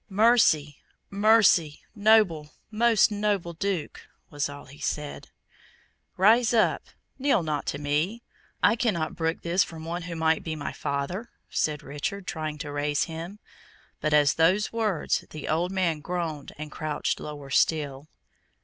"Mercy, mercy! noble, most noble Duke!" was all he said. "Rise up kneel not to me. I cannot brook this from one who might be my father," said Richard, trying to raise him; but at those words the old man groaned and crouched lower still.